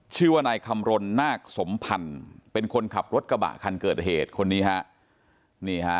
ชื่อว่านายคำรณนาคสมพันธ์เป็นคนขับรถกระบะคันเกิดเหตุคนนี้ฮะนี่ฮะ